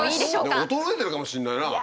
でも衰えてるかもしんないな。